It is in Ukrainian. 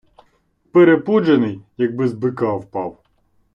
Перепуджений, якби з бика впав.